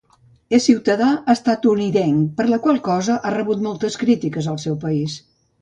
És ciutadà estatunidenc, per la qual cosa ha rebut moltes crítiques al seu país.